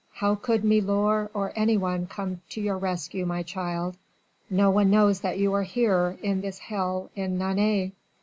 how could milor or anyone come to your rescue, my child?... No one knows that you are here, in this hell in Nantes."